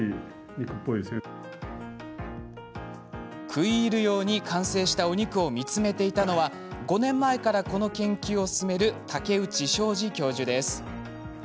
食い入るように完成したお肉を見つめていたのは５年前からこの研究を進める竹内昌治教授です。